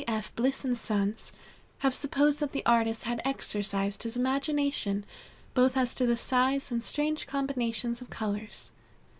B. F. Bliss & Sons, have supposed that the artist had exercised his imagination both as to size and the strange combinations of colors.